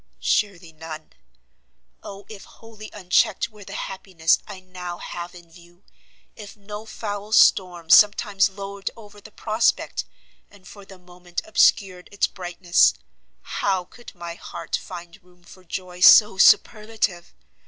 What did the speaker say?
Surely none. Oh if wholly unchecked were the happiness I now have in view, if no foul storm sometimes lowered over the prospect, and for the moment obscured its brightness, how could my heart find room for joy so superlative?